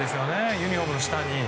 ユニホームの下に。